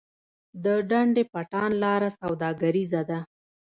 د ډنډ پټان لاره سوداګریزه ده